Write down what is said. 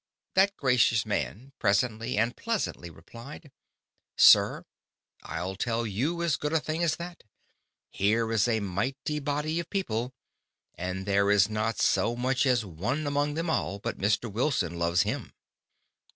_ That gracious Man presently and pleasantly reply'd: _Sir, I'll tell you as good a thing as that; here is a mighty Body of People, and there is not so much as +One+ among them all, but Mr. +Wilson+ loves him.